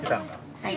はい。